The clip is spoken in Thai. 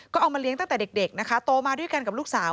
ก็เอามาเลี้ยงตั้งแต่เด็กนะคะโตมาด้วยกันกับลูกสาว